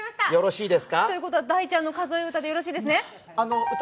ということは「大ちゃん数え唄」でよろしいですね。